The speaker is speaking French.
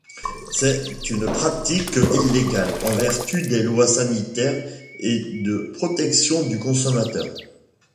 C'est une pratique illégale, en vertu des lois sanitaires et de protection du consommateur.